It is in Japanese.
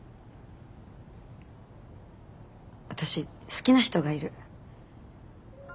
私好きな人がいる。